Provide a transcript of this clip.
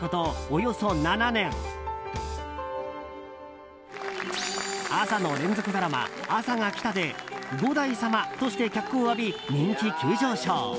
およそ７年朝の連続ドラマ「あさが来た」で五代様として脚光を浴び人気急上昇。